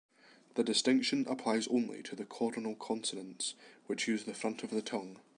The distinction applies only to coronal consonants, which use the front of the tongue.